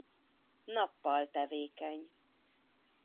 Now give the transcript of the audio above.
Nappal tevékeny.